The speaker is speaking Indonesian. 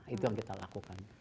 itu yang kita lakukan